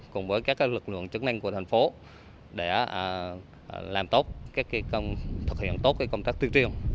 cùng với các lực lượng chứng năng của thành phố để làm tốt thực hiện tốt công tác tiêu triều